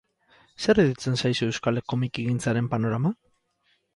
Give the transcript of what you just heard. Zer iruditzen zaizu euskal komikigintzaren panorama?